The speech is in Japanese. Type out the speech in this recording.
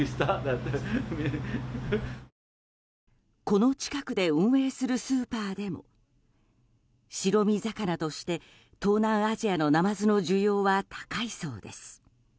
この近くで運営するスーパーでも白身魚として東南アジアのナマズの需要は高いそうです。